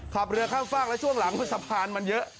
ขับเรือข้ามฝากแล้วช่วงหลังสะพานมันเยอะ